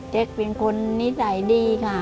เป็นคนนิสัยดีค่ะ